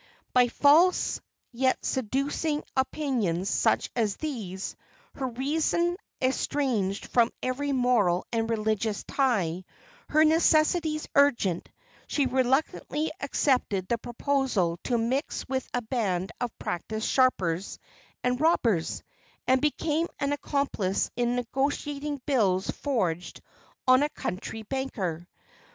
By false yet seducing opinions such as these, her reason estranged from every moral and religious tie, her necessities urgent, she reluctantly accepted the proposal to mix with a band of practised sharpers and robbers, and became an accomplice in negotiating bills forged on a country banker.